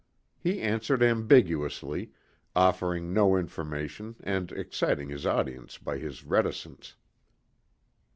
He answered ambiguously, offering no information and exciting his audience by his reticence.